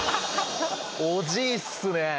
おじいっすね！